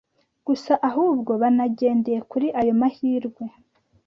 gusa ahubwo banagendeye kuri ayo mahirwe